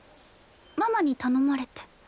ママに頼まれて。